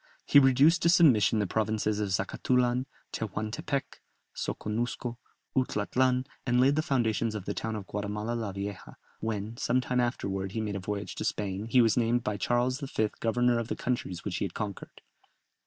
He reduced to submission the provinces of Zacatulan, Tehuantepec, Soconusco, Utlatlan, and laid the foundations of the town of Guatemala la Vieja; when, some time afterwards he made a voyage to Spain, he was named by Charles V. governor of the countries which he had conquered.